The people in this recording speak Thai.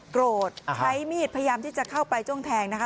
โกรธใช้มีดพยายามที่จะเข้าไปจ้วงแทงนะคะ